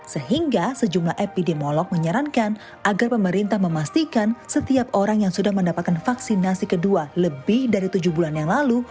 sehingga sejumlah epidemiolog menyarankan agar pemerintah memastikan setiap orang yang sudah mendapatkan vaksinasi kedua lebih dari tujuh bulan yang lalu